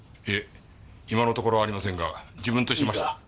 いえ今のところありませんが自分としましては。